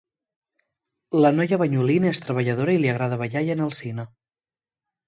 La noia banyolina és treballadora i li agrada ballar i anar al cine.